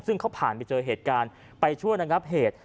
ซึ่งเขาผ่านไปเจอเหตุการณ์ไปช่วยระงับเหตุ